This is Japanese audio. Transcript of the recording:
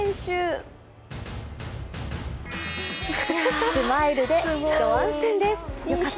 スマイルでひと安心です。